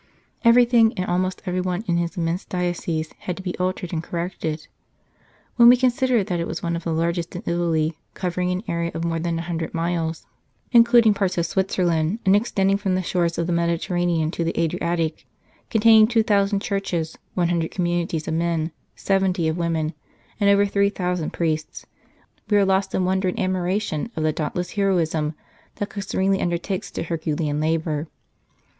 Everything and almost everyone in his immense diocese had to be altered and corrected. When we consider that it was one of the largest in Italy, covering an area of more than a hundred miles, including parts of Switzerland, and extending from the shores of the Mediterranean to the Adriatic, 53 St. Charles Borromeo containing two thousand churches, one hundred communities of men, seventy of women, and over three thousand priests, we are lost in wonder and admiration of the dauntless heroism that could serenely undertake such a herculean labour.